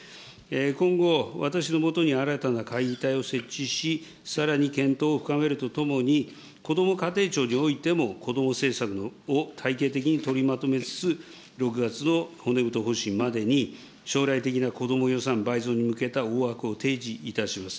今後、私の下に新たな会議体を設置し、さらに検討を深めるとともに、こども家庭庁においても、子ども政策を体系的に取りまとめつつ、６月の骨太方針までに、将来的な子ども予算倍増に向けた大枠を提示いたします。